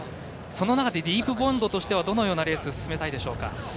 その中でディープボンドはどのようなレースを進めたいでしょうか。